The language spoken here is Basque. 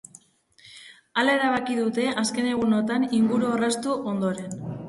Hala erabaki dute azken egunotan ingurua orraztu ondoren.